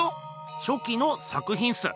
初期の作品っす。